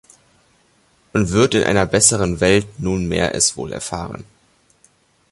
Und wird in einer bessern Welt Nunmehr es wohl erfahren“.